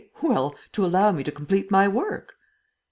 Well, to allow me to complete my work!"